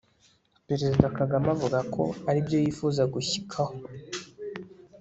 perezida kagame avuga ko ari byo yifuza gushyikaho